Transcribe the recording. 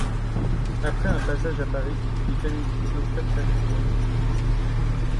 Après un passage à Paris, les Canetti s'installent à Londres.